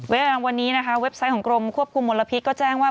วันนี้นะคะเว็บไซต์ของกรมควบคุมมลพิษก็แจ้งว่า